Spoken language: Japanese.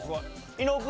伊野尾君